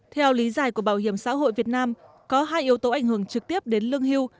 theo lý giải của bảo hiểm xã hội việt nam có hai yếu tố ảnh hưởng trực tiếp đến lương hưu